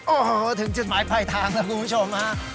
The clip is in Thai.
โอ้โหถึงจุดหมายปลายทางแล้วคุณผู้ชมฮะ